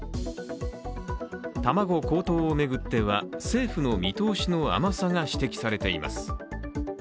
卵高騰を巡っては政府の見通しの甘さが指摘されています。